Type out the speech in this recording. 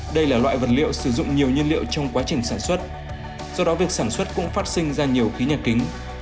đây là loại vật liệu sử dụng nhiều nhân liệu trong quá trình sản xuất do đó việc sản xuất cũng phát sinh ra nhiều khí nhà kính